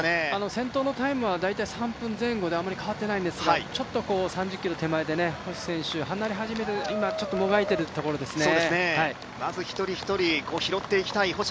先頭のタイムは大体３分前後であまり変わっていないんですがちょっと３０ｋｍ手前で星選手離れはじめて今、ちょっともがいているところですね。